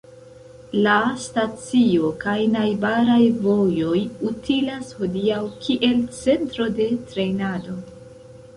La stacio kaj najbaraj vojoj utilas hodiaŭ kiel centro de trejnado.